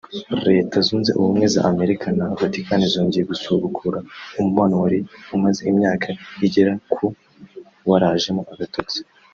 Leta zunze ubumwe za Amerika na Vatican zongeye gusubukura umubano wari umaze imyaka igera ku warajemo agatotsi